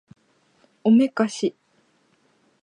おめかし